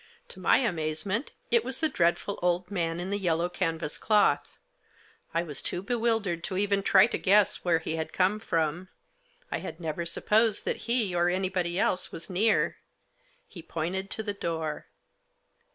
To my amazement it was the dreadful old man in the yellow canvas cloth. I was too bewildered to even try to guess where he had come from; I had never supposed that he, or anybody else, was near. He pointed to the door.